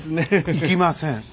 行きません。